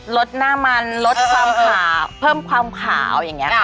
ลดหน้ามันลดความขาเพิ่มความขาวอย่างนี้ค่ะ